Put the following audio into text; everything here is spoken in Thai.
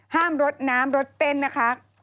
ห้ามรถน้ำรถเต้นนะคะ